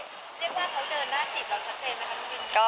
ว่าเขาเดินหน้าจิตแล้วชัดเจนไหมครับมิน